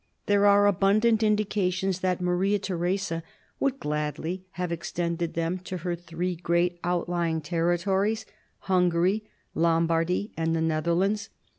There are abundant indications that Maria Theresa would gladly have extended them to her three great outlying territories, Hungary, Lombardy, and the Netherlands.